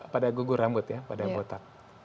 pada gugur rambut ya pada yang botak